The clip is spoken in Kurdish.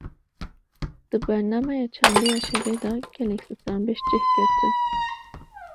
Di bernameya çandî ya şevê de gelek stranbêj cih girtin